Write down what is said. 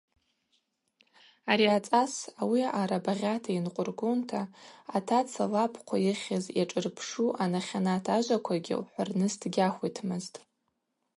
Ари ацӏас ауи аъарала багъьата йынкъвыргунта атаца лабхъва йыхьыз йашӏырпшу анахьанат ажваквагьи лхӏварныс дгьахвитмызтӏ.